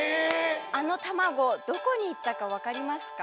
あの卵どこにいったか分かりますか？